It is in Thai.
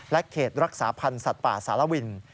เขตรักษาพันธ์สัตว์ป่าสารวิน